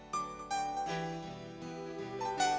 coba aja siapa tau si titin mau